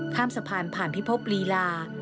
ข้ามสะพานผ่านพิภพลีลา